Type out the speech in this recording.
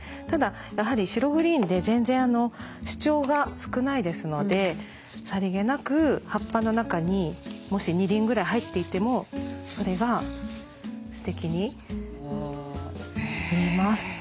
ただやはり白グリーンで全然主張が少ないですのでさりげなく葉っぱの中にもし２輪ぐらい入っていてもそれがすてきに見えます。